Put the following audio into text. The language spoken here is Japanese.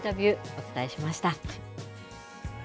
お伝えしました。